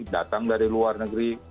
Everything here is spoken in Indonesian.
datang dari luar negeri